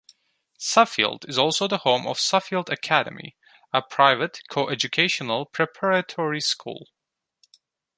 Suffield is also the home of Suffield Academy, a private coeducational preparatory school.